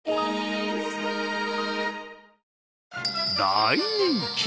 大人気！